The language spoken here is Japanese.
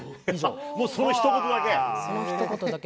もう、そのひと言だけ？